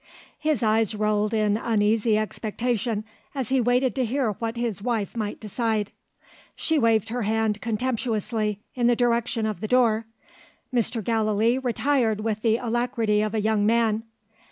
His eyes rolled in uneasy expectation, as he waited to hear what his wife might decide. She waved her hand contemptuously in the direction of the door. Mr. Gallilee retired with the alacrity of a young man.